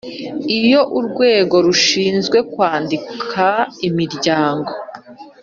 Iyo urwego rushinzwe kwandika imiryango